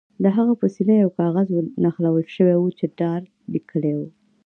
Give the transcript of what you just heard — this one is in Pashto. د هغه په سینه یو کاغذ نښلول شوی و چې ډارت لیکلي وو